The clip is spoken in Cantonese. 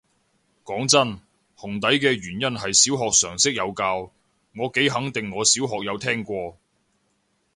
講真，紅底嘅原因係小學常識有教，我幾肯定我小學有聽過